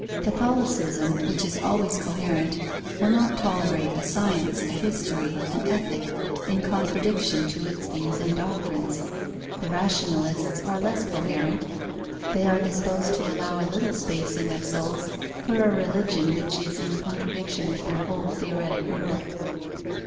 Catholicism, which is always coherent, will not tolerate a Science, a History, an Ethic, in contradiction to its views and doctrines. The rationalists are less coherent. They are disposed to allow a little space in their souls for a religion which is in contradiction with their whole theoretic world.